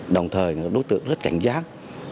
đồng thời đối tượng rất cảnh giác